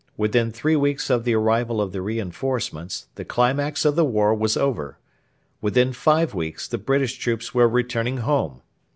Within three weeks of the arrival of the reinforcements the climax of the war was over; within five weeks the British troops were returning home.